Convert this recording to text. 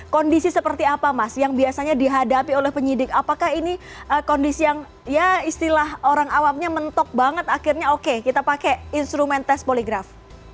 kondisi seperti apa mas yang biasanya dihadapi oleh penyidik apakah ini kondisi yang ya istilah orang awamnya mentok banget akhirnya oke kita pakai instrumen tes poligraf